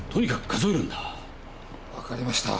分かりました。